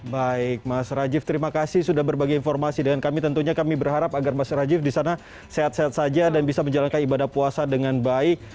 baik mas rajiv terima kasih sudah berbagi informasi dengan kami tentunya kami berharap agar mas rajiv di sana sehat sehat saja dan bisa menjalankan ibadah puasa dengan baik